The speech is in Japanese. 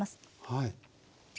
はい。